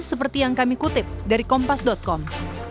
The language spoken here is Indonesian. seperti yang kami kutip dari kompas com